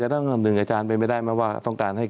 จะต้องแน่นอยู่กับอาจารย์เป็นไปได้ไหมว่า